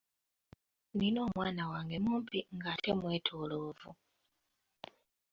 Nnina omwana wange mumpi ng'ate mwetooloovu.